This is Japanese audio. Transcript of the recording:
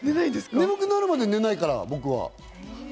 眠くなるまで寝ないから、僕は。